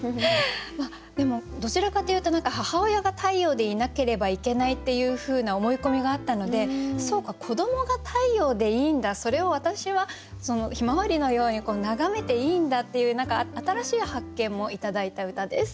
でもどちらかというと何か母親が太陽でいなければいけないっていうふうな思い込みがあったのでそうか子どもが太陽でいいんだそれを私は向日葵のように眺めていいんだっていう何か新しい発見も頂いた歌です。